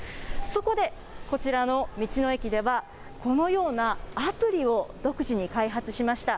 そこで、こちらの道の駅では、このようなアプリを独自に開発しました。